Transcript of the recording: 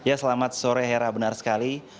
ya selamat sore hera benar sekali